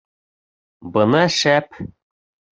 Бына шәп!